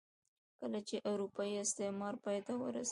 کله چې اروپايي استعمار پای ته ورسېد.